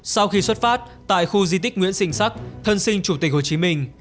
sau khi xuất phát tại khu di tích nguyễn sinh sắc thân sinh chủ tịch hồ chí minh